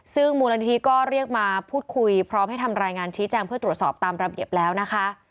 ซึ่งมูลนิธิก็เรียกมาพูดคุยพร้อมให้ทำรายงานชี้แจงเพื่อตรวจสอบตามระเบียบแล้วนะคะ